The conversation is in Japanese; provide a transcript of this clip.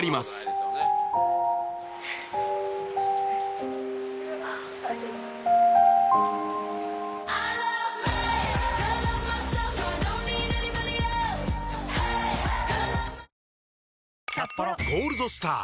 そして「ゴールドスター」！